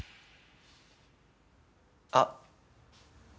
あっ。